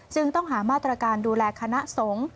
ต้องหามาตรการดูแลคณะสงฆ์